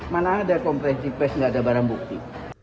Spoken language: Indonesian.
mana ada conference di press nggak ada barang bukti